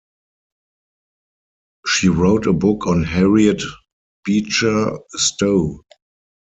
She wrote a book on Harriet Beecher Stowe.